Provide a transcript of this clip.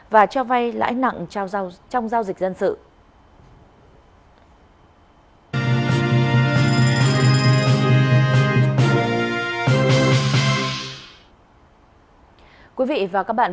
và mỗi lần nói chuyện